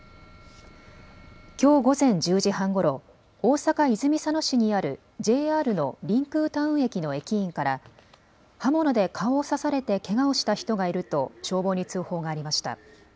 きょう午前１０時半ごろ大阪泉佐野市にあるＪＲのりんくうタウン駅の駅員から刃物で顔を刺されてけがをした人がいると消防に通報がありました。